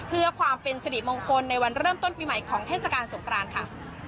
เพื่อความเป็นสิริมงคลในวันเริ่มต้นปีใหม่ของเทศกาลสงครานค่ะ